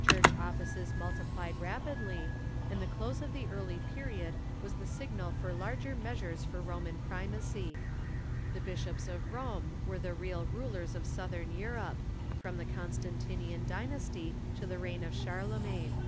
Church offices multiplied rapidly, and the close of the early period was the signal for larger measures for Roman primacy. The bish ops of Rome were the real rulers of Southern Europe, from the Constantinian dynasty to the reign of Charlemagne.